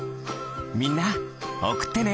みんなおくってね！